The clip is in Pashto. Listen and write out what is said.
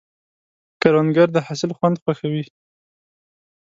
کروندګر د حاصل خوند خوښوي